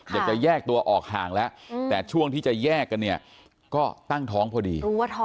อยากจะแยกตัวออกห่างแล้วแต่ช่วงที่จะแยกกันเนี่ยก็ตั้งท้องพอดี